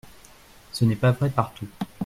Ce n’est pas vrai partout.